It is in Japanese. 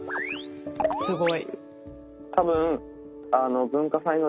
すごい。